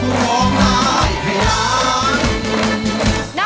สวัสดีครับ